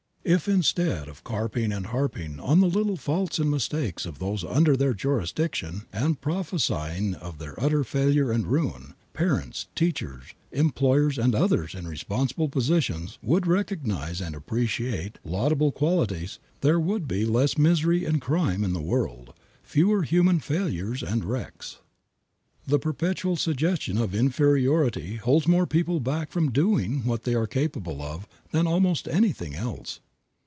If instead of carping and harping on the little faults and mistakes of those under their jurisdiction, and prophesying their utter failure and ruin, parents, teachers, employers and others in responsible positions would recognize and appreciate laudable qualities, there would be less misery and crime in the world, fewer human failures and wrecks. The perpetual suggestion of inferiority holds more people back from doing what they are capable of than almost anything else.